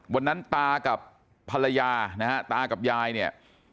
วันนั้นตากับภรรยานะฮะตากับยายเนี่ย